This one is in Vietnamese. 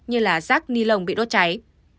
như là rắc ni lồng bị đốt cháy